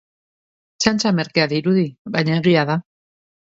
Txantxa merkea dirudi, baina egia da.